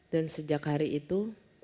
dan sejak hari itu